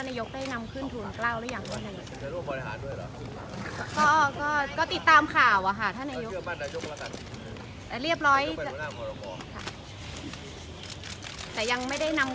นยกได้นำขึ้นทุนเกล้าหรือยังบริธานด้วยหม่อก็ติดตามข่าวอ่ะค่ะท่านนยกบริธานหรือว่ากำลังอยู่ระหว่าง